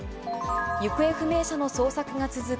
行方不明者の捜索が続く